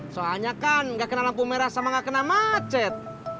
soalnya kan nggak kena lampu merah sama nggak kena macet